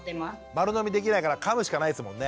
丸飲みできないからかむしかないですもんね。